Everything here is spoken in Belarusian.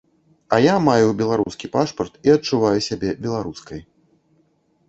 А я маю беларускі пашпарт і адчуваю сябе беларускай.